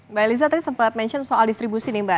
mbak eliza tadi sempat mention soal distribusi nih mbak